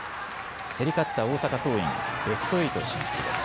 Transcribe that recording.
競り勝った大阪桐蔭、ベスト８進出です。